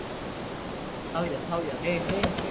竹田系統交流道